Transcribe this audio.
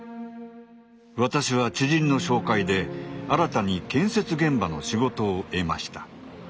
私は知人の紹介で新たに建設現場の仕事を得ました。